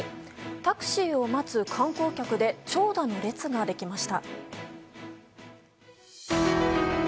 タクシーを待つ観光客で長蛇の列ができました。